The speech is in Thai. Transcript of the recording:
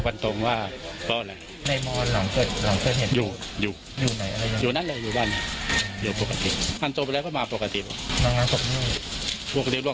เพราะลักษณะนี่ไม่ใช่อยู่แล้ว